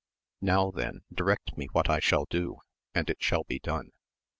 Now then direct me what I shall do, and it shall be done.